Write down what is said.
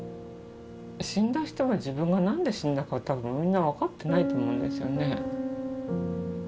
死んだ人が自分がなんで死んだか多分みんなわかってないと思うんですよね。